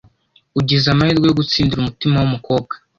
ugize amahirwe yo gutsindira umutima w’umukobwa